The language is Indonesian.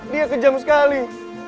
dia kejam sekali